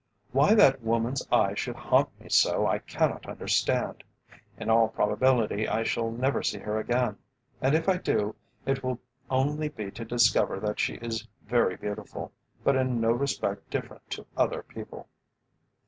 Why that woman's eyes should haunt me so I cannot understand. In all probability I shall never see her again, and if I do, it will only be to discover that she is very beautiful, but in no respect different to other people."